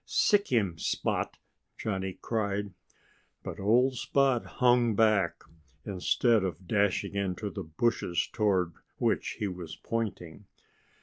"Sic him, Spot!" Johnnie cried. But old Spot hung back, instead of dashing into the bushes toward which he was pointing.